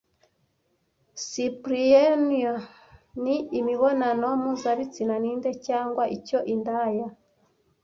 Cyprieunia ni imibonano mpuzabitsina ninde cyangwa icyo Indaya